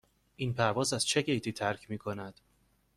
این پرواز از چه گیتی ترک می کند؟